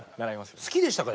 好きでしたか？